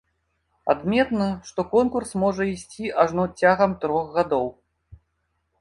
Адметна, што конкурс можа ісці ажно цягам трох гадоў.